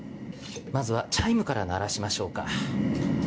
まずはチャイムから慣らしましょうか。